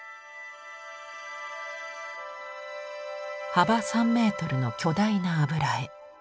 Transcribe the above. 幅３メートルの巨大な油絵。